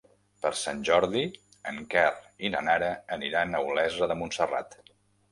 Per Sant Jordi en Quer i na Nara aniran a Olesa de Montserrat.